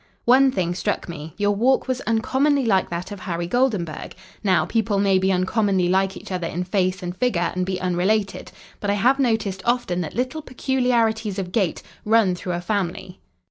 "One thing struck me. Your walk was uncommonly like that of Harry Goldenburg. Now, people may be uncommonly like each other in face and figure and be unrelated. But I have noticed often that little peculiarities of gait, run through a family.